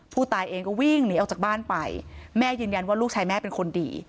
ผู้ตายเองก็วิ่งหนีออกจากบ้านไปแม่ยืนยันว่าลูกชายแม่เป็นคนดี